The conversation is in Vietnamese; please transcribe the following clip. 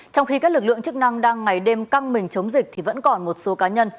trong khi các lực lượng chức năng đang ngày đêm căng mình chống dịch thì vẫn còn một số cá nhân